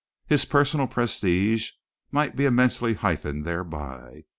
His personal prestige might be immensely heightened thereby.